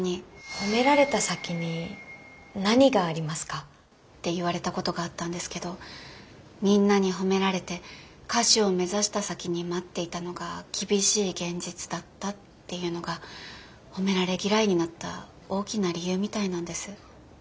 褒められた先に何がありますか？って言われたことがあったんですけどみんなに褒められて歌手を目指した先に待っていたのが厳しい現実だったっていうのが褒められ嫌いになった大きな理由みたいなんです。